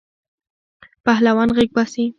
پهلوان غیږ باسی.